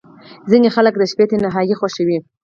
• ځینې خلک د شپې تنهايي خوښوي.